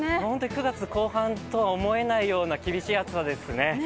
９月後半とは思えないような厳しい暑さですね。